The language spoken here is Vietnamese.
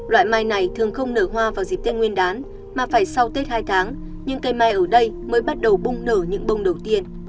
loại mai này thường không nở hoa vào dịp tết nguyên đán mà phải sau tết hai tháng nhưng cây mai ở đây mới bắt đầu bung nở những bông đầu tiên